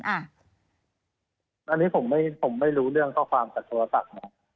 อันนี้ผมไม่รู้เรื่องข้อความจากโทรศัพท์นะ